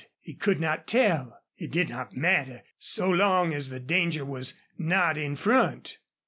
He could not tell. It did not matter, so long as the danger was not in front.